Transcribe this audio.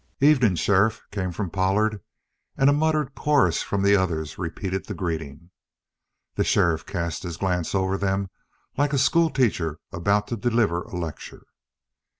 "Evening, sheriff," came from Pollard, and a muttered chorus from the others repeated the greeting. The sheriff cast his glance over them like a schoolteacher about to deliver a lecture.